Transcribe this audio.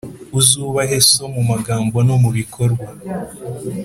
Uzubahe so mu magambo no mu bikorwa,